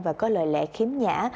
và có lời lẽ khiếm nhã